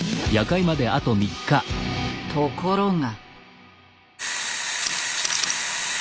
ところが。